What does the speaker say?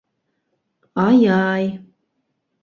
- Ай, ай...